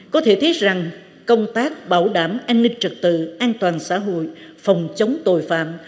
có thể thấy rằng công tác bảo đảm an ninh trật tự an toàn xã hội phòng chống tội phạm